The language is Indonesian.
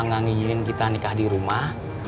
nggak ngijinin kita nikah di rumah